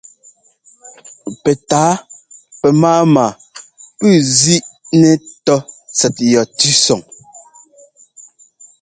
Pɛtǎa pɛmáama pʉ́ʉ zínɛ́ tɔ́ tsɛt yɔ tʉ́sɔŋ.